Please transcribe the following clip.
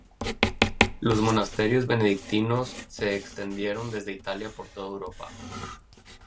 Los monasterios benedictinos se extendieron desde Italia por toda Europa.